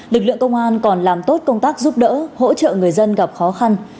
lực lượng công an còn làm tốt công tác giúp đỡ hỗ trợ người dân gặp khó khăn